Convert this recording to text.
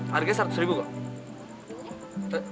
harganya seratus ribu kok